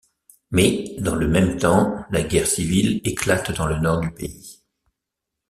Mais, dans le même temps, la guerre civile éclate dans le nord du pays.